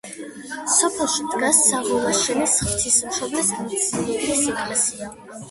სოფელში დგას საღოლაშენის ღვთისმშობლის მიძინების ეკლესია.